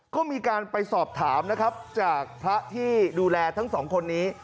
ก็มีการไปสอบถามนะครับจากพระที่ดูแลทั้งสองคนนี้